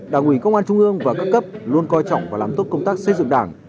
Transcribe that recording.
đảng ủy công an trung ương và các cấp luôn coi trọng và làm tốt công tác xây dựng đảng